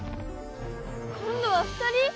今度は２人！？